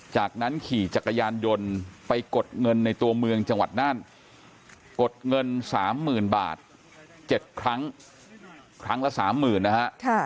จากนั้นขี่จักรยานยนต์ไปกดเงินในตัวเมืองจังหวัดน่านกดเงิน๓๐๐๐บาท๗ครั้งครั้งละ๓๐๐๐นะฮะ